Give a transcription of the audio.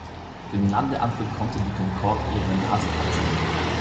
Für den Landeanflug konnte die Concorde ihre Nase absenken.